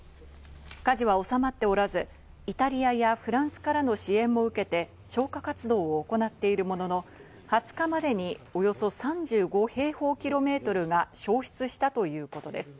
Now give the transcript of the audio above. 火事は収まっておらず、イタリアやフランスからの支援を受けて消火活動を行っているものの、２０日までにおよそ３５平方ｋｍが焼失したということです。